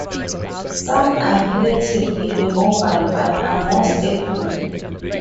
Some are relatively immobile, but are more stable.